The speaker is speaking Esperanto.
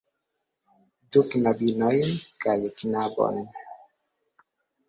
Du knabinojn kaj knabon.